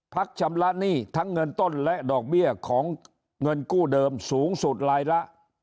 ชำระหนี้ทั้งเงินต้นและดอกเบี้ยของเงินกู้เดิมสูงสุดรายละ